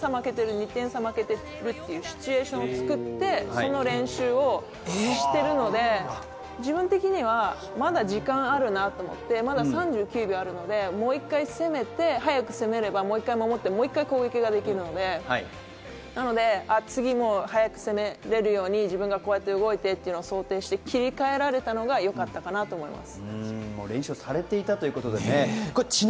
２点差負けているというシチュエーションを作って、その練習をしているので、自分的にはまだ時間あるなと思って、まだ３９秒あるのでもう１回攻めて、早く攻めれば、もう１回守って、もう１回攻撃ができるので次、早く攻められるようにこうやって動いてというのを想定して切り替えられたのがよかったかなと思います。